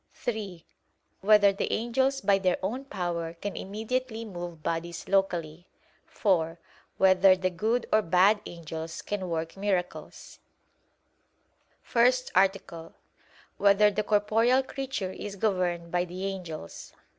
(3) Whether the angels by their own power can immediately move bodies locally? (4) Whether the good or bad angels can work miracles? _______________________ FIRST ARTICLE [I, Q. 110, Art. 1] Whether the Corporeal Creature Is Governed by the Angels?